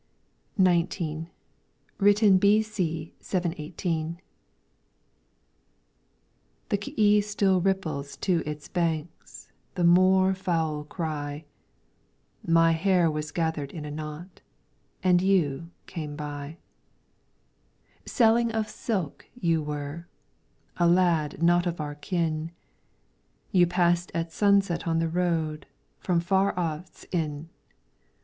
LYRICS FROM THE CHINESE XIX Written b.c. 718. The K 'e still ripples to its banks, The moorfowl cry. My hair was gathered in a knot, And you came by. Selling of silk you were, a lad Not of our kin ; You passed at sunset on the road From far off Ts'in.